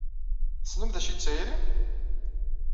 Tessnem d acu i d tayri?